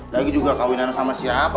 lagi juga kawinan sama siapa